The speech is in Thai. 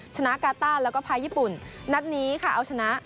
ชนะกาต้าแล้วก็แพ้ญี่ปุ่นนัดนี้ค่ะเอาชนะ